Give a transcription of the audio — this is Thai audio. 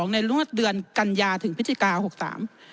ในรวดเดือนกันยาถึงพิธิกา๖๓